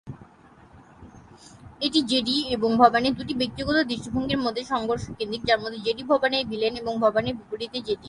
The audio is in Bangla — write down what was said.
এটি জেডি এবং ভবানী দুটি ব্যক্তিগত দৃষ্টিভঙ্গির মধ্যে সংঘর্ষ কেন্দ্রিক, যার মধ্যে জেডি ভবানীর ভিলেন এবং ভবানীর বিপরীতে জেডি।